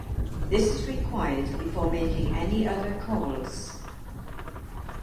This is required before making any other calls